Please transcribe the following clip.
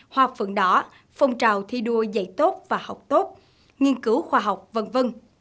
hoa phượng đỏ phong trào thi đua dạy tốt và học tốt nghiên cứu khoa học v v